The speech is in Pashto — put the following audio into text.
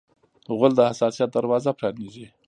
غول د حساسیت دروازه پرانیزي.